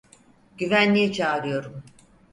Güvenliği çağırıyorum.